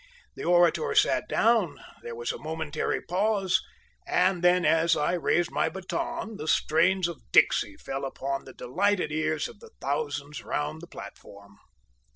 The orator sat down, there was a momentary pause, and then as I raised my baton the strains of "Dixie" fell upon the delighted ears of the thousands round the platform.